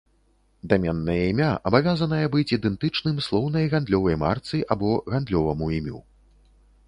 Даменнае імя абавязанае быць ідэнтычным слоўнай гандлёвай марцы або гандлёваму імю.